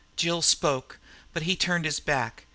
Jill spoke, but he turned his back.